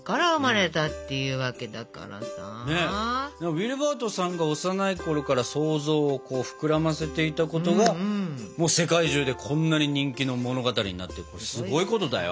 ウィルバートさんが幼いころから想像を膨らませていたことが世界中でこんなに人気の物語になってすごいことだよ。